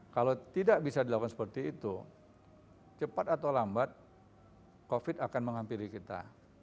kalau tidak bisa dilakukan seperti itu cepat atau lambat covid akan menghampiri kita